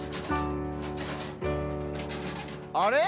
あれ？